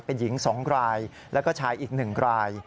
เป็นหญิง๒รายแล้วก็ชายอีก๑ราย